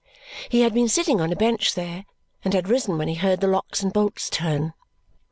He had been sitting on a bench there and had risen when he heard the locks and bolts turn.